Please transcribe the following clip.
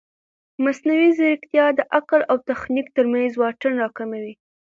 مصنوعي ځیرکتیا د عقل او تخنیک ترمنځ واټن راکموي.